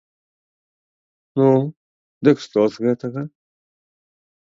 Ну, дык што з гэтага?